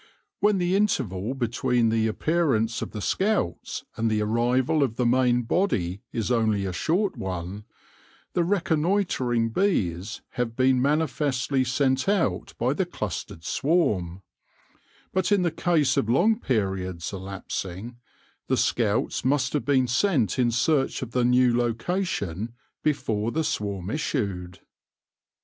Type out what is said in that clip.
When the interval between the appear ance of the scouts and the arrival of the main body is only a short one, the reconnoitring bees have been manifestly sent out by the clustered swarm ; but in the case of long periods elapsing, the scouts must have been sent in search of the new location before the swarm issued.